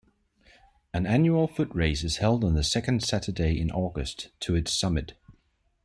An annual footrace is held on the second Saturday in August, to its summit.